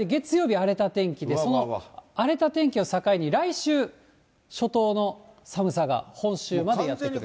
荒れた天気で、その荒れた天気を境に、来週、初冬の寒さが本州までやって来る。